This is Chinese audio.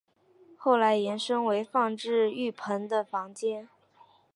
后来延伸为放置浴盆的房间。